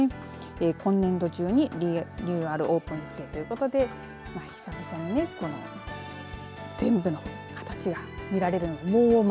今年度中にリニューアルオープン予定ということで久々にね全部の形が見られるリニューアル